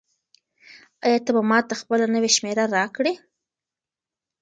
آیا ته به ماته خپله نوې شمېره راکړې؟